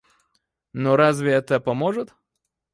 Но разве это поможет?